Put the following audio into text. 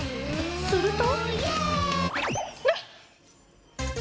すると。